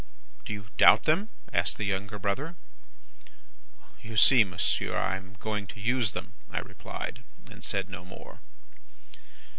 "'Do you doubt them?' asked the younger brother. "'You see, monsieur, I am going to use them,' I replied, and said no more.